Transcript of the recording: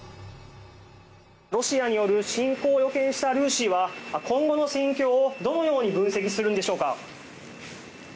ロシア侵攻による侵攻を予想したＲＵＳＩは今後の戦況をどのように分析するんでしょうか。